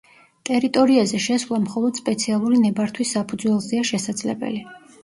ტერიტორიაზე შესვლა მხოლოდ სპეციალური ნებართვის საფუძველზეა შესაძლებელი.